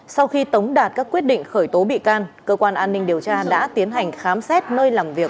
sau khi tống đạt các quyết định khởi tố bị can cơ quan an ninh điều tra đã tiến hành khám xét nơi làm việc